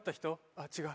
あっ違う。